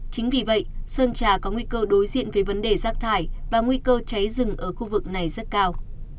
chính vì vậy sơn trà có nguy cơ đối diện với vấn đề rác thải và nguy cơ cháy rừng ở khu vực này rất cao